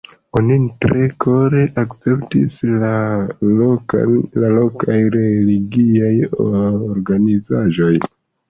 Onin tre kore akceptis la lokaj religiaj organizaĵoj.